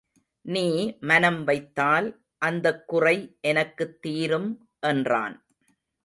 நீ மனம் வைத்தால் அந்தக் குறை எனக்குத் தீரும் என்றான்.